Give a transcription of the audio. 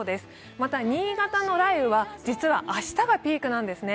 また、新潟の雷雨は実は明日がピークなんですね。